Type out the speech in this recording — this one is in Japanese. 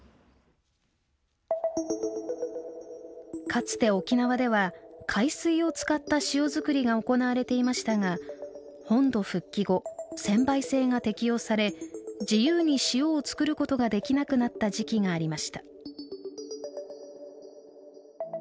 かつて沖縄では海水を使った塩作りが行われていましたが本土復帰後専売制が適用され自由に塩を作ることができなくなった時期がありました。